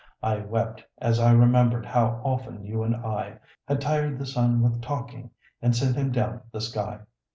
I wept, as I remembered how often you and I Had tired the sun with talking and sent him down the sky.